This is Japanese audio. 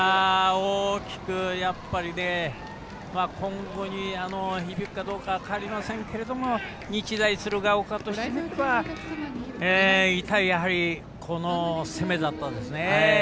大きくやっぱり今後に響くかどうか分かりませんけども日大鶴ヶ丘としてみれば痛い攻めだったですね。